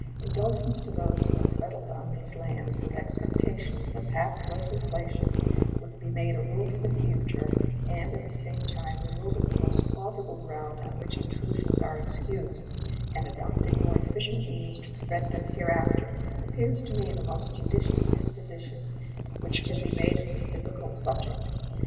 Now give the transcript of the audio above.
Indulgence to those who have settled on these lands with expectations that past legislation would be made a rule for the future, and at the same time removing the most plausible ground on which intrusions are excused and adopting more efficient means to prevent them hereafter, appears to me the most judicious disposition which can be made of this difficult subject.